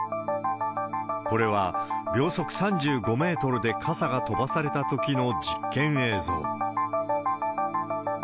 これは秒速３５メートルで傘が飛ばされたときの実験映像。